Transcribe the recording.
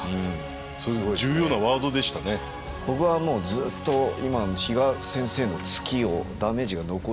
僕はもうずっと比嘉先生の突きをダメージが残り。